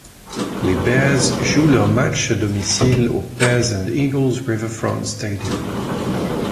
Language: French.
Les Bears jouent leur match à domicile au Bears & Eagles Riverfront Stadium.